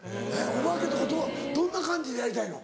お化けとかどんな感じでやりたいの？